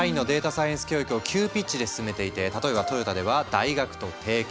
サイエンス教育を急ピッチで進めていて例えばトヨタでは大学と提携。